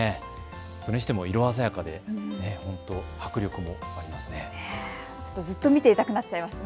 それにしても色鮮やかで迫力もありますね。